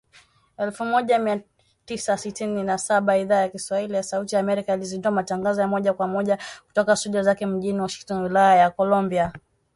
Elfu Moja Mia tisa sitini na saba , Idhaa ya Kiswahili ya Sauti ya Amerika ilizindua matangazo ya moja kwa moja kutoka studio zake mjini Washington wilaya ya kolumbia